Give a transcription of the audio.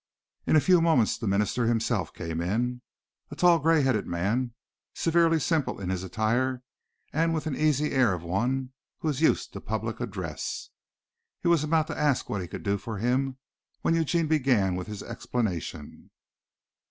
In a few moments the minister himself came in a tall, grey headed man, severely simple in his attire and with the easy air of one who is used to public address. He was about to ask what he could do for him when Eugene began with his explanation.